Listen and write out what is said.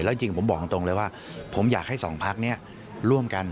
แล้วจริงผมบอกตรงเลยว่าผมอยากให้สองพักนี้ร่วมกัน